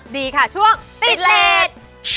ดีค่ะช่วงติดระเทศ